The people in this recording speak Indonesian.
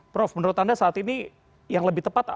prof menurut anda saat ini yang lebih tepat